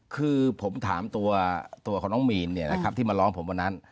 คือผมถามตัวของน้องมีนที่มาร้องผมวันนั้น